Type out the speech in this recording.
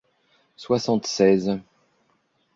soixante-seize